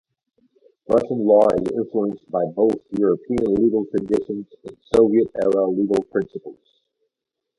Russian law is influenced by both European legal traditions and Soviet-era legal principles.